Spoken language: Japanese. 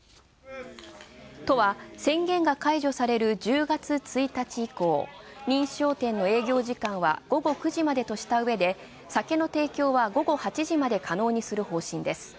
都は宣言が解除される１０月１日以降、認証店の営業時間は午後９時までとしたうえで酒の提供は午後８時まで可能にする方針です。